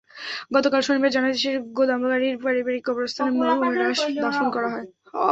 গতকাল শনিবার জানাজা শেষে গোদাগাড়ীর পারিবারিক কবরস্থানে মরহুমের লাশ দাফন করা হয়।